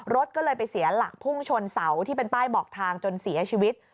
รถก็เลยไปเสียหลักพุ่งชนเสาที่เป็นป้ายบอกทางจนเสียชีวิต